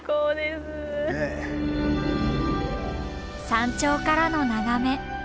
山頂からの眺め。